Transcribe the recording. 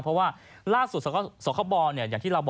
เพราะว่าล่าสุดสกบอย่างที่เราบอกไปเมื่อเมื่อเดียกที่แล้ว